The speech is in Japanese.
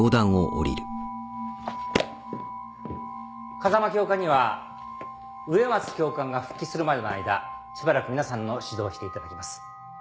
風間教官には植松教官が復帰するまでの間しばらく皆さんの指導をしていただきます。